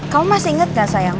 kamu masih ingat gak sayang